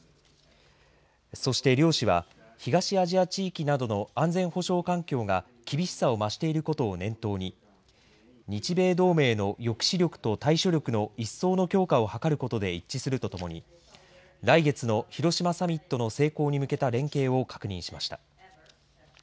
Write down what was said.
そして両氏は東アジア地域などの安全保障環境が厳しさを増していることを念頭に日米同盟の抑止力と対処力の一層の強化を図ることで一致するとともに来月の広島サミットの成功に向けた連携を確認しました。